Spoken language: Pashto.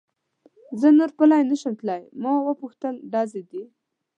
زه نور پلی نه شم تلای، ما و پوښتل: ډزې دي؟